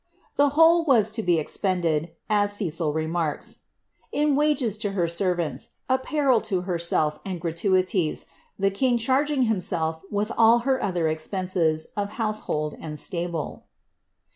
The whole w«g to be ex|>cnded," as Cecil remarks, "in wagea lo her servants, apparel to herself, and gratuities, the king charging himself with all her other ex penses of household and atable."